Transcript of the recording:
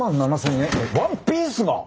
ワンピースが！？